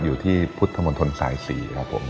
อยู่ที่พุทธมนตรสาย๔ครับผม